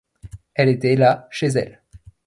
Elle était là chez elle.